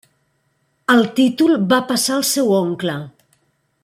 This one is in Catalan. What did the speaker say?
El títol va passar al seu oncle.